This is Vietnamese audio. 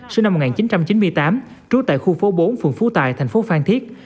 sinh năm một nghìn chín trăm chín mươi tám trú tại khu phố bốn phường phú tài thành phố phan thiết